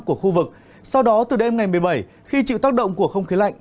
của khu vực sau đó từ đêm ngày một mươi bảy khi chịu tác động của không khí lạnh